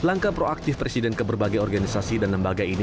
langkah proaktif presiden keberbagai organisasi dan lembaga ini